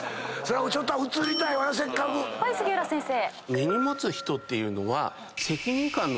はい杉浦先生。